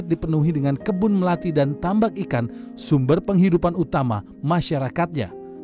karena kerendamnya punya asin